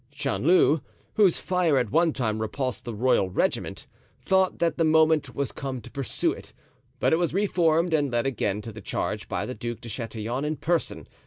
Chanleu, whose fire at one time repulsed the royal regiment, thought that the moment was come to pursue it; but it was reformed and led again to the charge by the Duc de Chatillon in person.